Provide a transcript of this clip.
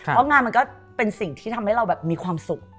เพราะงานมันก็เป็นสิ่งที่ทำให้เราแบบมีความสุข